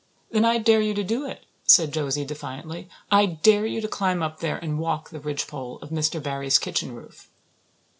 "Then I dare you to do it," said Josie defiantly. "I dare you to climb up there and walk the ridgepole of Mr. Barry's kitchen roof."